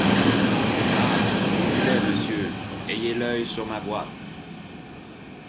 Ah ! s’il vous plaît, monsieur, ayez l’œil sur ma boîte.